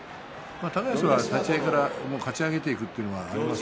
高安は立ち合いからかち上げていくというのがあります。